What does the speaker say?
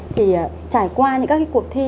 thì trải qua những cái cuộc thi